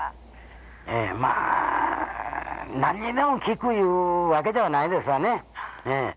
ええまあ何にでも効くいうわけではないですわね。